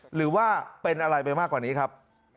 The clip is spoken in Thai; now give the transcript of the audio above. หรือว่าเป็นอะไรไปมากกว่านี้ครับ